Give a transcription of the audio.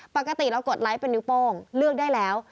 ปกติเรากดไลค์เป็นนิ้วโป้งเลือกได้แล้ว